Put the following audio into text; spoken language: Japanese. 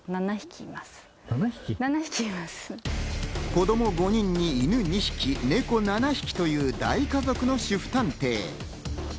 子供５人にイヌ２匹、ネコ７匹という大家族の主婦探偵。